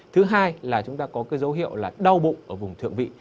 thứ hai là chúng ta có cái dấu hiệu là đau bụng ở vùng thượng vị